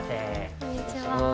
こんにちは。